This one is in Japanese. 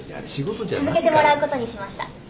続けてもらうことにしました。